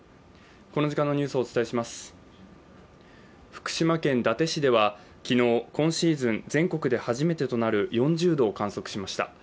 福島県伊達市では昨日今シーズン全国で初めてとなる４０度を観測しました。